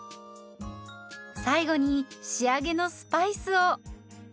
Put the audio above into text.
最後に仕上げのスパイスを。